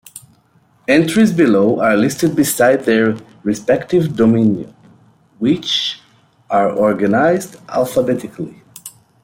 Entries below are listed beside their respective dominions, which are organised alphabetically.